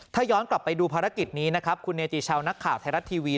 ถ้าย้อนกลับไปดูภารกิจนี้นะครับคุณเนจิชาวนักข่าวไทยรัฐทีวี